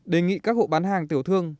đề nghị các hộ bán hàng tiểu thương